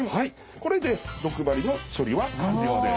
これで毒針の処理は完了です。